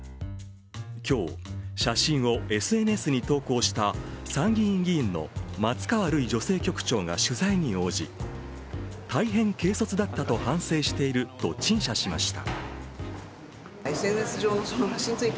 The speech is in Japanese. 今日、写真をＳＮＳに投稿した参議院議員の松川るい女性局長が取材に応じ、大変軽率だったと反省していると陳謝しました。